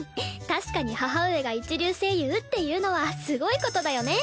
確かに母上が一流声優っていうのはすごいことだよね。